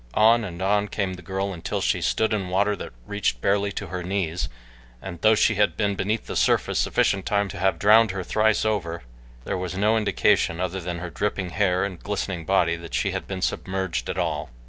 On and on came the girl until she stood in water that reached barely to her knees, and though she had been beneath the surface sufficient time to have drowned her thrice over there was no indication, other than her dripping hair and glistening body, that she had been submerged at all.